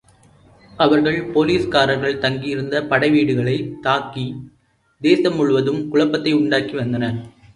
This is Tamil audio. அவர்கள் போலிஸ்கார்கள் தங்கியிருந்த படைவீடுகளைத் தாக்கித் தேசம்முழுவதும் குழப்பத்தை உண்டாக்கி வந்தனர்.